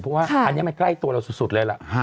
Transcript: เพราะว่าอันนี้มันใกล้ตัวเราสุดเลยล่ะ